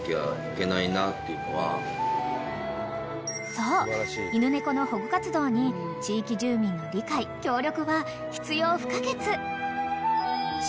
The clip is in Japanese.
［そう犬猫の保護活動に地域住民の理解協力は必要不可欠］